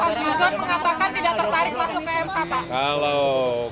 pak widodo mengatakan tidak tertarik masuk ke mk pak